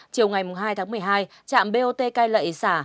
chiều ngày hai tháng một mươi hai trạm bot cai lệ xả